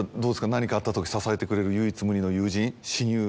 何かあった時支えてくれる唯一無二の友人親友。